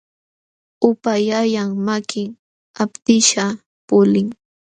Upaallallam makin aptishqa pulin.